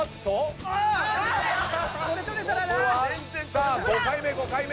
さあ５回目５回目！